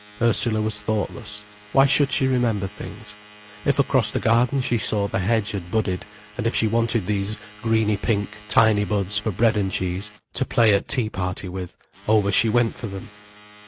Ursula was thoughtless—why should she remember things? If across the garden she saw the hedge had budded, and if she wanted these greeny pink, tiny buds for bread and cheese, to play at teaparty with, over she went for them.